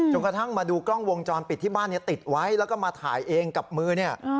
กระทั่งมาดูกล้องวงจรปิดที่บ้านติดไว้แล้วก็มาถ่ายเองกับมือเนี่ย